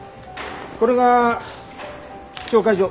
これが紹介状。